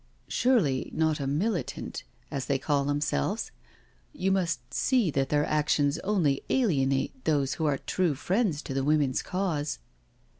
" Surely not a Militant, as they call themselves? You must see that their actions only alienate those who are true friends to the women's Cause."